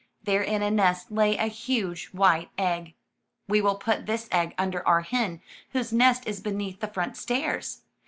There in a nest lay a huge white egg. We will put this egg under our hen whose nest is beneath the front stairs.